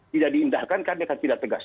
tidak diindahkan karena tidak tegas